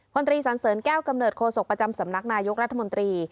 ตรีสันเสริญแก้วกำเนิดโศกประจำสำนักนายกรัฐมนตรี